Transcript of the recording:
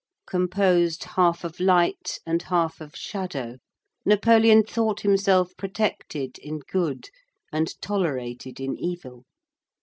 Composed half of light and half of shadow, Napoleon thought himself protected in good and tolerated in evil.